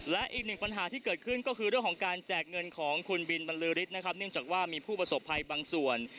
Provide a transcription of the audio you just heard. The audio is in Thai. และอีกหนึ่งปัญหาที่เกิดขึ้นก็คือด้วยการแจกเงินของคุณบินบันลูริสเนื่องจากว่ามีผู้ประสบภัยบางส่วน